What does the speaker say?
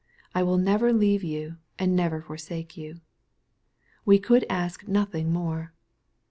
" I will never leave you and never forsake you." — We could ask nothing more.